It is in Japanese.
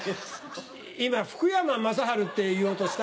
今福山雅治って言おうとした？